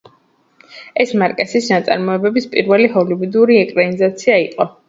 ეს მარკესის ნაწარმოების პირველი ჰოლივუდური ეკრანიზაცია იყო.